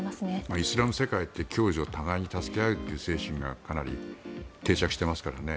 イスラム世界って共助、互いに助け合う精神がかなり定着していますからね。